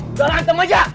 udah nantem aja